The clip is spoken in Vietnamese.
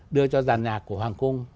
đưa cho giàn nhạc của hoàng cung